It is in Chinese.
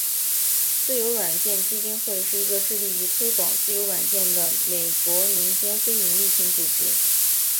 自由软件基金会是一个致力于推广自由软件的美国民间非营利性组织。